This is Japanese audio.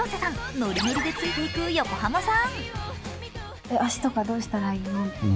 ノリノリでついていく横浜さん。